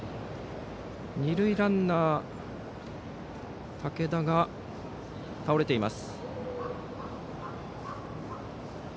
二塁ランナーの武田が倒れています。